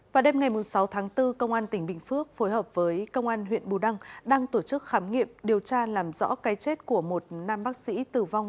vào đêm ngày sáu tháng bốn công an tỉnh bình phước phối hợp với công an huyện bù đăng đang tổ chức khám nghiệm điều tra làm rõ cái chết của một nam bác sĩ tử vong